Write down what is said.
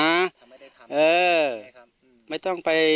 ทำให้ได้ทำ